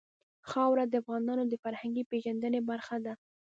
خاوره د افغانانو د فرهنګي پیژندنې برخه ده.